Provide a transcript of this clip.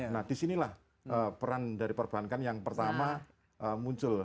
nah di sinilah peran dari perbankan yang pertama muncul